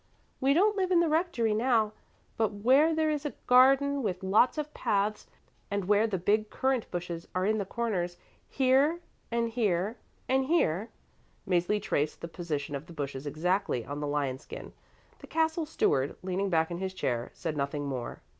We don't live in the rectory now, but where there is a garden with lots of paths, and where the big currant bushes are in the corners, here and here and here." Mäzli traced the position of the bushes exactly on the lionskin. The castle steward, leaning back in his chair, said nothing more.